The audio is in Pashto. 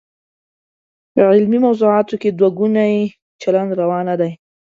په علمي موضوعاتو کې دوه ګونی چلند روا نه دی.